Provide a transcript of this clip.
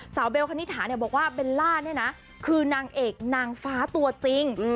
เบลคณิตถาเนี่ยบอกว่าเบลล่าเนี่ยนะคือนางเอกนางฟ้าตัวจริง